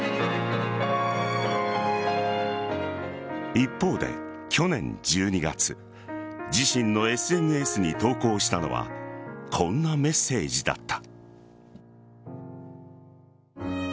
一方で、去年１２月自身のＳＮＳに投稿したのはこんなメッセージだった。